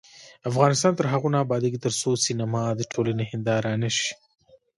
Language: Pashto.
افغانستان تر هغو نه ابادیږي، ترڅو سینما د ټولنې هنداره نشي.